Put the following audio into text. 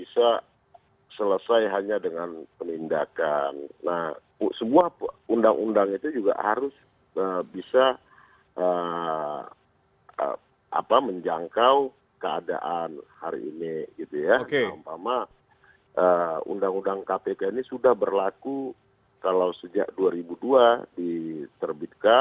sehingga perlu direvisi undang undang tersebut